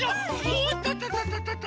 おっとととととと。